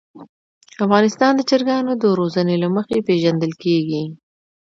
افغانستان د چرګانو د روزنې له مخې پېژندل کېږي.